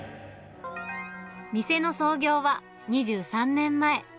店の創業は２３年前。